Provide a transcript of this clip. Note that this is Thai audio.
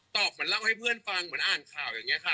เหมือนเล่าให้เพื่อนฟังเหมือนอ่านข่าวอย่างนี้ค่ะ